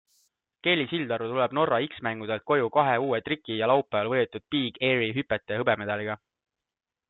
Kelly Sildaru tuleb Norra X-mängudelt koju kahe uue triki ja laupäeval võidetud Big Airi hüpete hõbemedaliga.